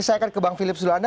saya akan ke bang filip sudulana